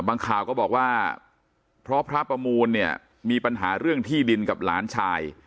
ข่าวก็บอกว่าเพราะพระประมูลเนี่ยมีปัญหาเรื่องที่ดินกับหลานชาย